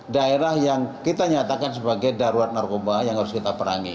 daerah yang kita nyatakan sebagai darurat narkoba yang harus kita perangi